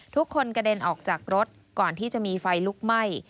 กระเด็นออกจากรถก่อนที่จะมีไฟลุกไหม้